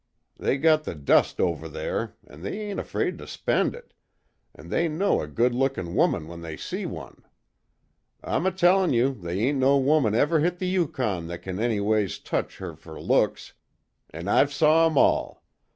They got the dust over there, an' they ain't afraid to spend it an' they know a good lookin' woman when they see one. I'm a tellin' you they ain't no woman ever hit the Yukon that kin anyways touch her fer looks an' I've saw 'em all.